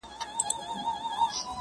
نور کارونه هم لرم درڅخه ولاړم،